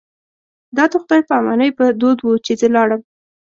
دا د خدای په امانۍ په دود و چې زه لاړم.